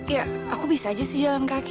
ya aku bisa aja sih jalan kaki